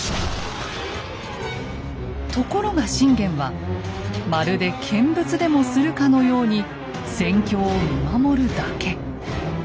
ところが信玄はまるで見物でもするかのように戦況を見守るだけ。